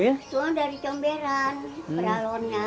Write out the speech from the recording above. itu dari comberan peralonnya